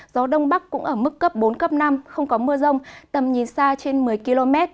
gió đông bắc cũng ở mức cấp bốn cấp năm không có mưa rông tầm nhìn xa trên một mươi km